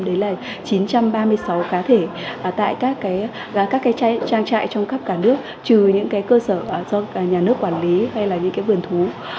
đấy là chín trăm ba mươi sáu cá thể tại các trang trại trong khắp cả nước trừ những cái cơ sở do nhà nước quản lý hay là những cái vườn thú